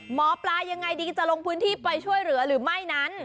หมอปลายังไงดีจะลงพื้นที่ไปช่วยเหลือหรือไม่นั้น